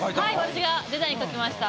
私がデザイン描きました。